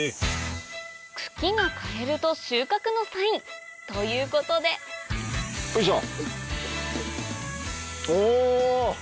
茎が枯れると収穫のサインということでよいしょ！